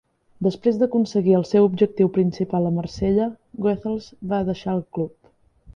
Després d'aconseguir el seu objectiu principal a Marsella, Goethals va deixar el club.